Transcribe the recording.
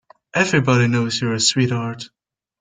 Everybody knows you're a sweetheart.